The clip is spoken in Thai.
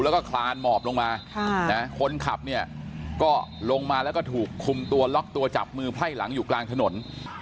แล้วก็คลานหมอบลงมาคนขับเนี่ยก็ลงมาแล้วก็ถูกคุมตัวล็อกตัวจับมือไพร่หลังอยู่กลางถนน